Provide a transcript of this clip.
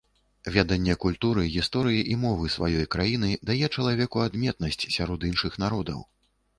Веданне культуры, гісторыі і мовы сваёй краіны дае чалавеку адметнасць сярод іншых народаў.